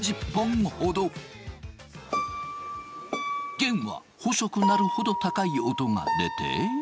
弦は細くなるほど高い音が出て。